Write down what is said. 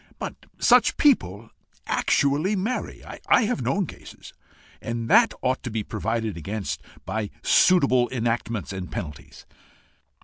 But such people actually marry I have known cases, and that ought to be provided against by suitable enactments and penalties."